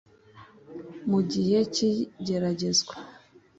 Mu gihe cy’igeragezwa